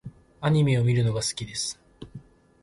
アニメを見るのが好きです。